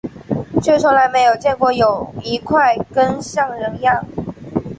却从来没有见过有一块根像人样